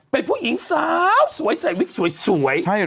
ไปผู้หญิงสาวสวยสายวิทย์สวย